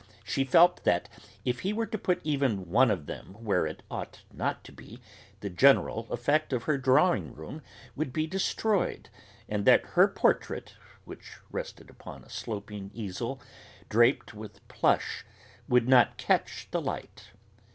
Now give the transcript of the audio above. She felt that, if he were to put even one of them where it ought not to be, the general effect of her drawing room would be destroyed, and that her portrait, which rested upon a sloping easel draped with plush, would not catch the light.